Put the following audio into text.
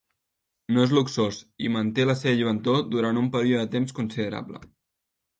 No és luxós i manté la seva lluentor durant un període de temps considerable.